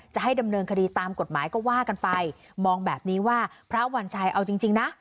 จะให้ดำเนินคดีตามกฎหมายก็ว่ากันไปมองแบบนี้ว่าพระวัญชัยเอาจริงจริงนะ